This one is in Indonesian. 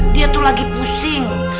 dia tuh lagi pusing